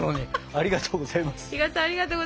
ありがとうございます。